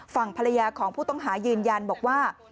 ฝั่งภรรยาของผู้ต้องหายืนยันบอกว่า